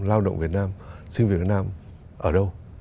lao động việt nam sinh việt nam ở đâu